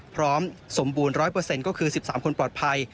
พร้อมสมบูรณ์๑๐๐ก็คือ๑๓คนปลอดภัย